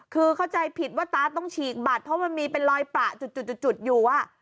คือเข้าใจผิดว่าตาต้องฉีกบัตรเพราะมันมีเป็นรอยประจุดอยู่